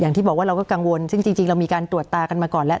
อย่างที่บอกว่าเราก็กังวลซึ่งจริงเรามีการตรวจตากันมาก่อนแล้ว